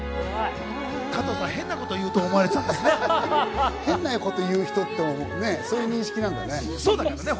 加藤さん、変なこと言うと思変なこと言う人っていう認識なんだね。